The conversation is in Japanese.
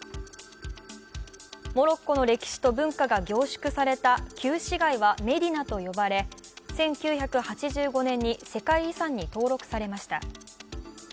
モロッコの歴史と文化が凝縮された旧市街はメディナと呼ばれ、１９８５年に世界遺産に登録されました。